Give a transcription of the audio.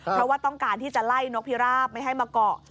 เพราะว่าต้องการที่จะไล่นกพิราบไม่ให้มาเกาะ